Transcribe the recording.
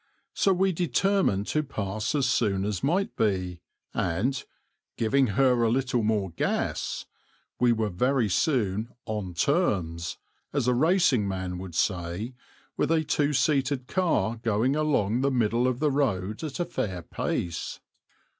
So we determined to pass as soon as might be, and "giving her a little more gas," we were very soon "on terms," as a racing man would say, with a two seated car going along the middle of the road at a fair pace.